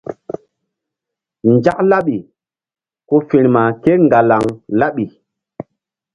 Nzak laɓi ku firma kéŋgalaŋ laɓi.